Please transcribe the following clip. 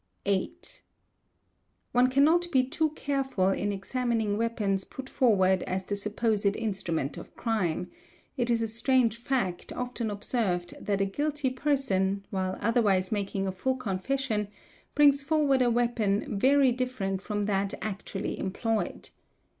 One cannot be too careful in examining weapons put forward as the supposed instrument of crime; it is a strange fact, often observed, that a guilty person, while otherwise making a full confession, brings forward a weapon very different from that actually employed.